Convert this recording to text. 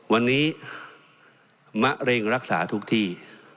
วันนี้มะเร็งรักษาทุกที่